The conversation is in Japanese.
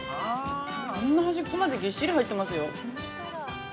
こんな端っこまでぎっしり入ってますよ。